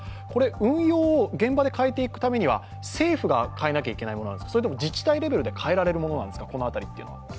運用を現場で変えていくためには、政府が変えていかなければいけないのか、それとも、自治体レベルで変えられるものなんですか。